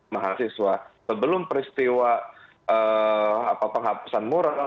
mahasiswa sebelum peristiwa penghapusan mural